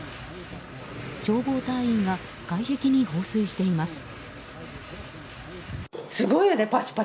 消防隊員が外壁に放水しています。